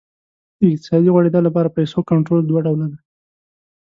د اقتصادي غوړېدا لپاره پیسو کنټرول دوه ډوله دی.